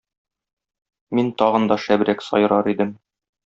Мин тагын да шәбрәк сайрар идем